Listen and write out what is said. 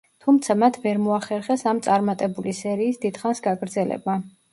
თუმცა, მათ ვერ მოახერხეს ამ წარმატებული სერიის დიდხანს გაგრძელება.